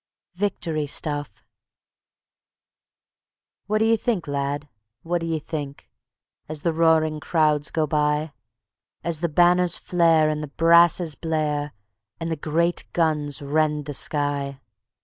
Victory Stuff What d'ye think, lad; what d'ye think, As the roaring crowds go by? As the banners flare and the brasses blare And the great guns rend the sky?